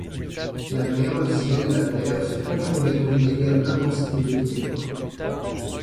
La mer, le ciel, la terre, se confondaient dans une égale intensité des ténèbres